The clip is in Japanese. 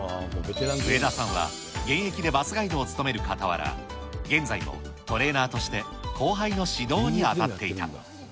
植田さんは現役でバスガイドを務めるかたわら、現在もトレーナーとして後輩の指導に当たっていた。